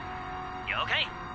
了解！